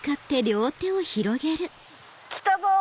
来たぞ！